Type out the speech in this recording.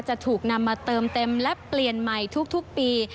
จะถูกนำมาเติมเต็มและเปลี่ยนใหม่ทุกปี